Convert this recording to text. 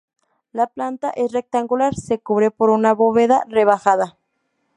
La planta es rectangular, se cubre por una bóveda rebajada.